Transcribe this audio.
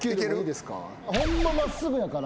ホンマ真っすぐやから。